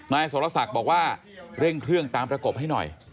นายสรศักดิ์บอกว่าเร่งเครื่องตามประกบให้หน่อย